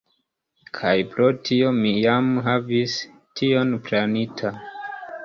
Kaj pro tio mi jam havis tion planita.